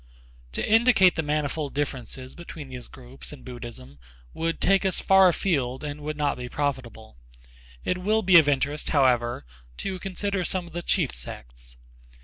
To indicate the manifold differences between these groups in Buddhism would take us far afield and would not be profitable. It will be of interest, however, to consider some of the chief sects.